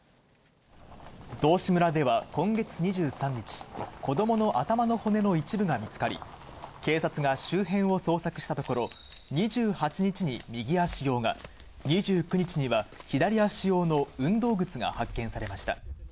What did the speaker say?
道志村では今月２３日、子どもの頭の骨の一部が見つかり、警察が周辺を捜索したところ、２８日に右足用が、２９日には左足用の運動靴が発見されました。